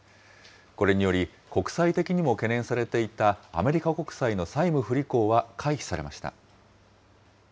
これにより、国際的にも懸念されていたアメリカ国債の債務不履行は回避されました。